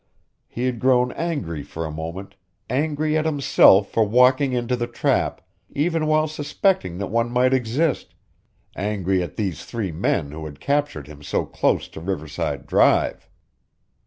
He had grown angry for a moment, angry at himself for walking into the trap even while suspecting that one might exist, angry at these three men who had captured him so close to Riverside Drive.